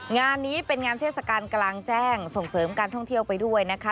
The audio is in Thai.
งานนี้เป็นงานเทศกาลกลางแจ้งส่งเสริมการท่องเที่ยวไปด้วยนะคะ